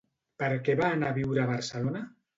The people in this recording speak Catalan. Per què va anar a viure a Barcelona?